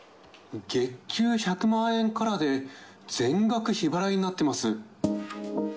月給１００万円からで、全額日払いになってます。